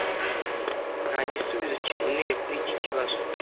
Nta gisubizo kiboneye kuri iki kibazo.